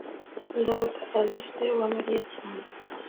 ndabaga azi se wa mariya cyane